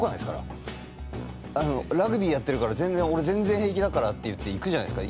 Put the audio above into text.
ラグビーやってるから俺全然平気だからっていって行くじゃないですか。